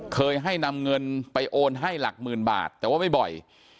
เคยให้นำเงินไปโอนให้หลักหมื่นบาทแต่ว่าไม่บ่อย